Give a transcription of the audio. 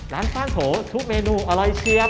ร้านป้าโถทุกเมนูอร่อยเชียบ